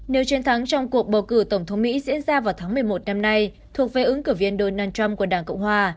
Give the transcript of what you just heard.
nếu chiến thắng trong cuộc bầu cử tổng thống mỹ diễn ra vào tháng một mươi một năm nay thuộc về ứng cử viên donald trump của đảng cộng hòa